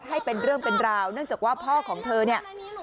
ให้เป็นเรื่องเป็นราวเนื่องจากว่าพ่อของเธอเนี่ย